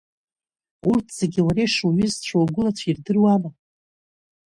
Урҭ зегьы уара ишуҩызцәоу угәылацәа ирдыруама?